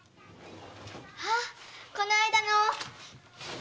あこの間の。